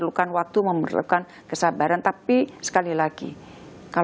untuk menguasai pada akhirnya